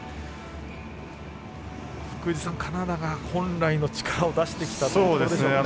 福藤さん、カナダが本来の力を出してきたところですね。